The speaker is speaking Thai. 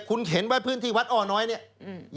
คุณเห็นว่าพื้นที่วัดอ้อน้อยเนี่ย